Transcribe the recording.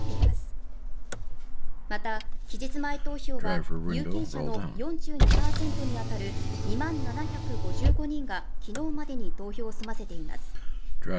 また、期日前投票は有権者の４２％に当たる２万７５５人が昨日までに投票を済ませています。